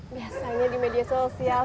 biasanya di media sosial